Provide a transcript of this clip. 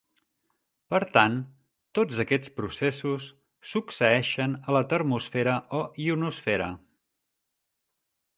Per tant, tots aquests processos succeeixen a la termosfera o ionosfera.